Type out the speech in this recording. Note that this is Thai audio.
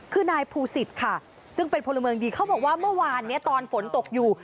คือนายภูศิษฐ์ค่ะซึ่งเป็นพลเมืองดีเขาบอกว่าเมื่อวานนี้ตอนฝนตกอยู่